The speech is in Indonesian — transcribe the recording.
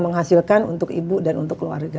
menghasilkan untuk ibu dan untuk keluarga